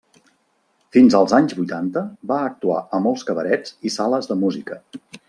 Fins als anys vuitanta, va actuar a molts cabarets i sales de música.